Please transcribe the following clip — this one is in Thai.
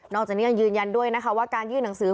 จากนี้ยังยืนยันด้วยนะคะว่าการยื่นหนังสือ